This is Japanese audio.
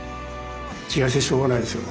気がしてしょうがないですよ。